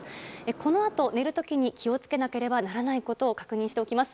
このあと寝る時に気を付けなければならないことを確認しておきます。